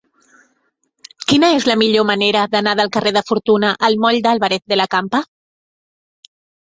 Quina és la millor manera d'anar del carrer de Fortuna al moll d'Álvarez de la Campa?